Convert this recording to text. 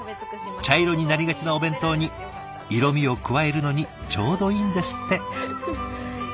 茶色になりがちなお弁当に色みを加えるのにちょうどいいんですって。